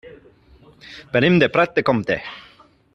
Venim de Prat de Comte.